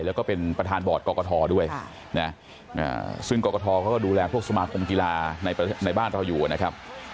แล้วก็เป็นประธานบอร์ดกรกฐด้วยนะซึ่งกรกฐเขาก็ดูแลพวกสมาคมกีฬาในบ้านเราอยู่นะครับ